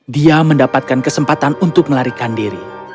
dia mendapatkan kesempatan untuk melarikan diri